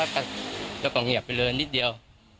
จะก่อเหยียบไปเลยนิดเดียว